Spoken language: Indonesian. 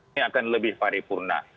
ini akan lebih paripurna